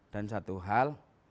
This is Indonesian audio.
dan satu hal